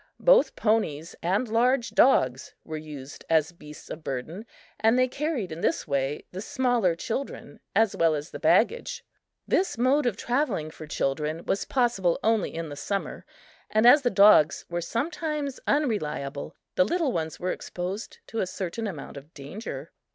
Both ponies and large dogs were used as beasts of burden, and they carried in this way the smaller children as well as the baggage. This mode of travelling for children was possible only in the summer, and as the dogs were sometimes unreliable, the little ones were exposed to a certain amount of danger.